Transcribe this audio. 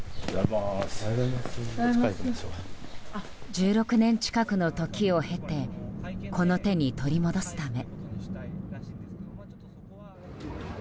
１６年近くの時を経てこの手に取り戻すため。